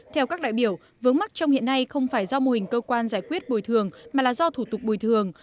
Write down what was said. theo các đại biểu vướng mắt trong hiện nay không phải do mô hình cơ quan giải quyết bồi thường mà là do thủ tục bồi thường